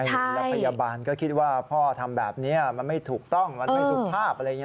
แล้วพยาบาลก็คิดว่าพ่อทำแบบนี้มันไม่ถูกต้องมันไม่สุขภาพ